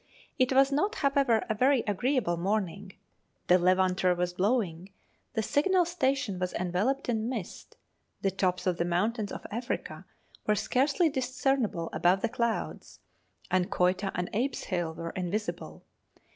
It was not, however, a very agreeable morning; the Levanter was blowing, the signal station was enveloped in mist, the tops of the mountains of Africa were scarcely discernible above the clouds, and Ceuta and Ape's Hill were invisible.